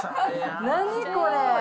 何これ。